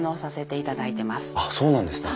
あっそうなんですね。